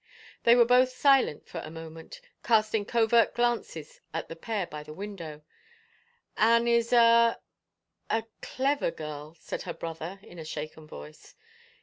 They were both silent a moment, casting covert glances at the pair by the window. "Anne is a — a clever girl," said her brother in a shaken voice.